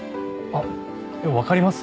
あっわかります？